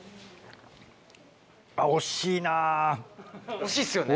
惜しいですよね。